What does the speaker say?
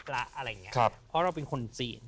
เพราะเราเป็นคนจีน